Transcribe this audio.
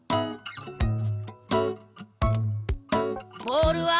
ボールは！？